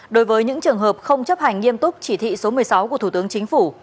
đối với những trường hợp không chấp hành nghiêm túc chỉ thị số một mươi sáu của thủ tướng chính phủ